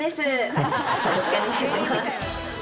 よろしくお願いします。